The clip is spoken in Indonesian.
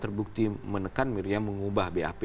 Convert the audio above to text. terbukti menekan miriam mengubah bap